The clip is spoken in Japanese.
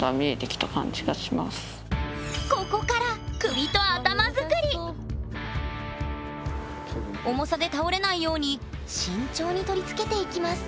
ここから重さで倒れないように慎重に取り付けていきます